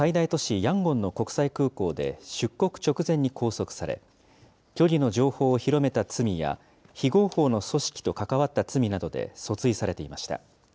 ヤンゴンの国際空港で、出国直前に拘束され、虚偽の情報を広めた罪や、非合法の組織と関わった罪などで訴追されていました。